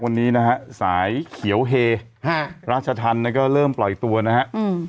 วันนี้นะฮะสายเขียวเฮฮะราชธรรมเนี่ยก็เริ่มปล่อยตัวนะฮะอืม